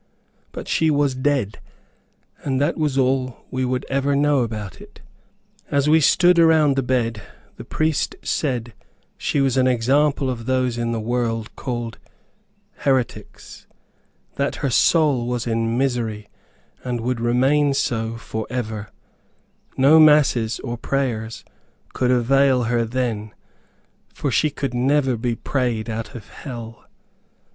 But she was dead; and that was all we could ever know about it. As we stood around the bed, the priest said she was an example of those in the world called heretics; that her soul was in misery, and would remain so forever; no masses or prayers could avail her then, for she could never be prayed out of hell.